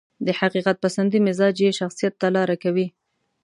د حقيقت پسندي مزاج يې شخصيت ته لاره کوي.